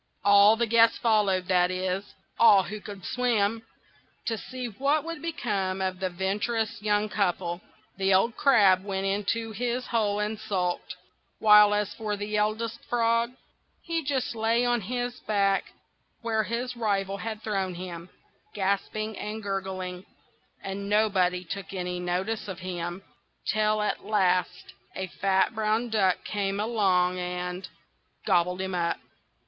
All the guests followed,—that is, all who could swim,—to see what would become of the venturous young couple. The old Crab went into his hole and sulked; while as for the Eldest Frog, he just lay on his back where his rival had thrown him, gasping and gurgling, and nobody took any notice of him, till at last a fat brown duck came along, and—gobbled him up!